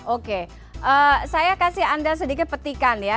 oke saya kasih anda sedikit petikan ya